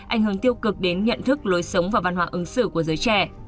ảnh hưởng tiêu cực đến nhận thức lối sống và văn hóa ứng xử của giới trẻ